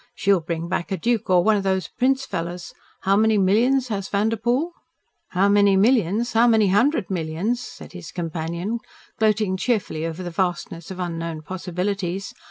She'll bring back a duke or one of those prince fellows. How many millions has Vanderpoel?" "How many millions. How many hundred millions!" said his companion, gloating cheerfully over the vastness of unknown possibilities.